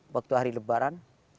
waktu hari lebaran